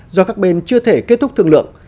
do các bên chưa thể kết thúc thương lượng